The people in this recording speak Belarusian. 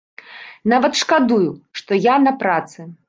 Нават шкадую, што я на працы.